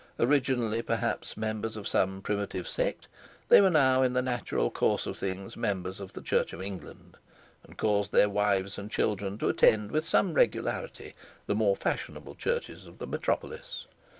Originally, perhaps, members of some primitive sect, they were now in the natural course of things members of the Church of England, and caused their wives and children to attend with some regularity the more fashionable churches of the Metropolis.